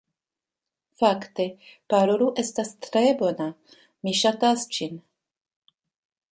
Fakte, Parolu estas tre bona, mi ŝatas ĝin